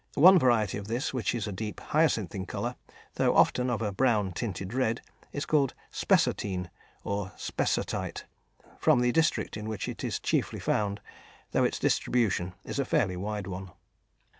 One variety of this, which is a deep hyacinth in colour, though often of a brown tinted red, is called "spessartine," or "spessartite," from the district in which it is chiefly found, though its distribution is a fairly wide one.